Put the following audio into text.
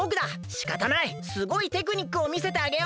しかたないすごいテクニックをみせてあげよう。